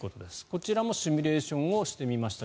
こちらもシミュレーションをしてみました。